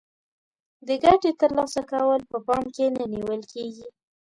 د ګټې تر لاسه کول په پام کې نه نیول کیږي.